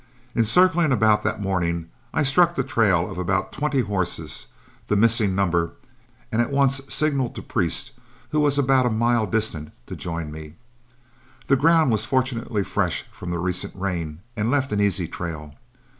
In circling about that morning, I struck the trail of about twenty horses the missing number and at once signaled to Priest, who was about a mile distant, to join me. The ground was fortunately fresh from the recent rain and left an easy trail.